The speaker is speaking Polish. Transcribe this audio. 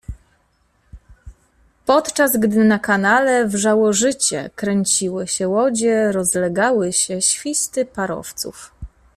Podczas gdy na kanale wrzało życie, kręciły się łodzie, rozlegały się świsty parowców.